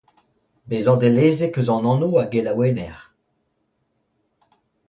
Bezañ dellezek eus an anv a gelaouenner.